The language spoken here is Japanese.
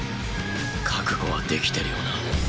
覚悟はできてるよな？